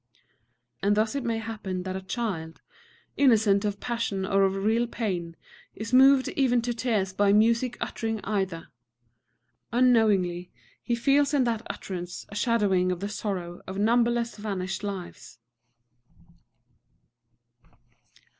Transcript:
And thus it may happen that a child, innocent of passion or of real pain, is moved even to tears by music uttering either. Unknowingly he feels in that utterance a shadowing of the sorrow of numberless vanished lives.